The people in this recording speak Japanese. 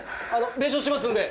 弁償しますんで。